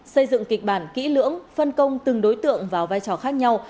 xây dựng kịch bản kỹ lưỡng phân công từng đối tượng vào vai trò khác nhau